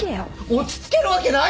落ち着けるわけないでしょ！